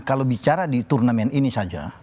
kalau bicara di turnamen ini saja